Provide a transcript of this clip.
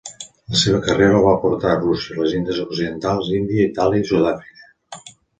La seva carrera el va portar a Rússia, les Índies Occidentals, Índia, Itàlia i Sud-àfrica.